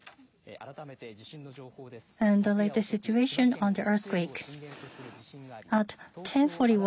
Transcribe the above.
改めて地震の情報です。